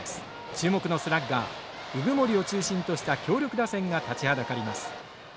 注目のスラッガー鵜久森を中心とした強力打線が立ちはだかります。